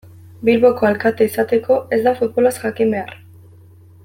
Bilboko alkate izateko ez da futbolaz jakin behar.